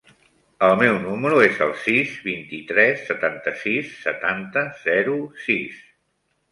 El meu número es el sis, vint-i-tres, setanta-sis, setanta, zero, sis.